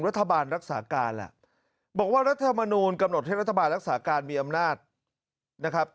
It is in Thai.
รัฐบาลรักษาการแหละบอกว่ารัฐมนูลกำหนดให้รัฐบาลรักษาการมีอำนาจนะครับ